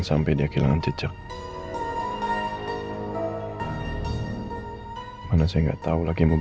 aduh gue tuh ki